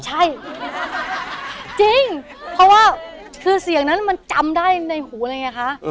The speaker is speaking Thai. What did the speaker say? ใช่จริงเพราะว่าคือเสียงนั้นมันจำได้ในหูอะไรอย่างเงี้ยคะ